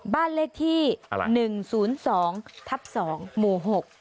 บ้านเลขที่๑๐๒ทับ๒หมู่๖